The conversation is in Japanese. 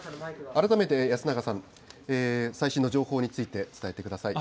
改めて安永さん、最新の情報について伝えてください。